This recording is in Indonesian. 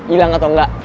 ilang atau enggak